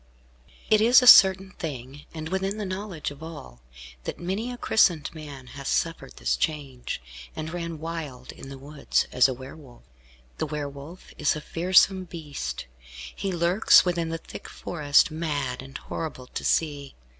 It is a certain thing, and within the knowledge of all, that many a christened man has suffered this change, and ran wild in woods, as a Were Wolf. The Were Wolf is a fearsome beast. He lurks within the thick forest, mad and horrible to see.